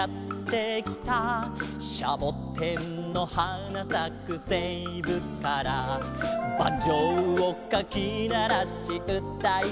「シャボテンのはなさくせいぶから」「バンジョーをかきならしうたいくる」